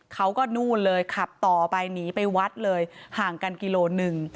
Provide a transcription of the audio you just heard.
เขาก็นู่นเลยขับต่อไปหนีไปวัดเลยห่างกันกิโลหนึ่ง